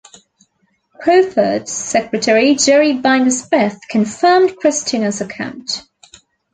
Crawford's secretary, Jeri Binder Smith, confirmed Christina's account.